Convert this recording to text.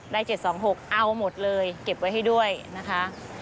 ๗๒๖เอาหมดเลยเก็บไว้ให้ด้วยนะคะ